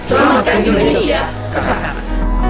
selamatkan indonesia sekarang